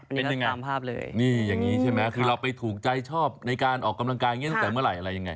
เป็นยังไงตามภาพเลยนี่อย่างนี้ใช่ไหมคือเราไปถูกใจชอบในการออกกำลังกายอย่างนี้ตั้งแต่เมื่อไหร่อะไรยังไง